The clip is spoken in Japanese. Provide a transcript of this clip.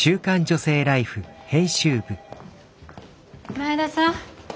前田さん。